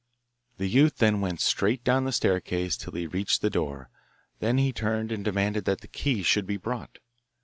The youth then want straight down the staircase till he reached the door; then he turned and demanded that the key should be brought.